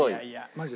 マジで？